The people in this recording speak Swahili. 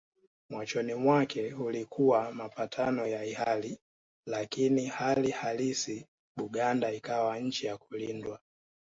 Machoni mwake ulikuwa mapatano ya hiari lakini hali halisi Buganda ikawa nchi ya kulindwa